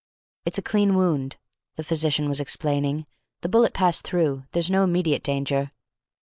"It's a clean wound," the physician was explaining. "The bullet passed through. There's no immediate danger."